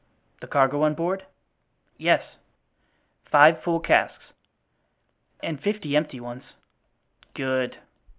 "The cargo on board?" "Yes." "Five full casks?" "And fifty empty ones." "Good."